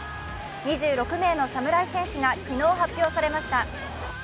２６名の侍選手が昨日、発表されました。